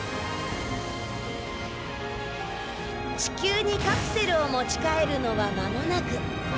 地球にカプセルを持ち帰るのは間もなく。